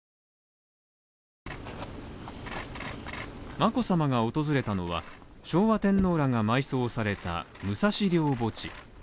眞子さまが訪れたのは昭和天皇らが埋葬された武蔵陵墓地。